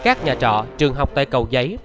các nhà trọ trường học tài cầu giấy